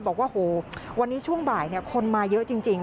บอกว่าโหวันนี้ช่วงบ่ายคนมาเยอะจริง